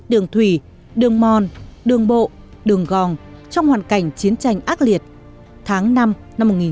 đường thủy đường mon đường bộ đường gòn trong hoàn cảnh chiến tranh ác liệt tháng năm năm một nghìn chín trăm bốn mươi bảy